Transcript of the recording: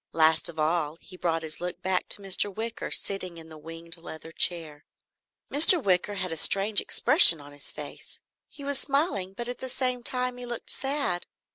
Last of all he brought his look back to Mr. Wicker, sitting in the winged leather chair. Mr. Wicker had a strange expression on his face. He was smiling but at the same time he looked sad.